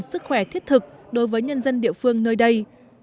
sức khỏe thiết thực đối với nhân dân địa phương nơi đây